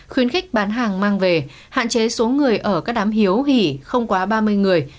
khuyến khích bán hàng mang về hạn chế số người ở các đám hiếu hỉ không quá ba mươi người